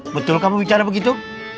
betul kamu bicara begitu